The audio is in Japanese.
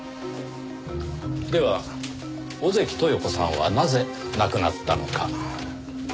では小関豊子さんはなぜ亡くなったのか？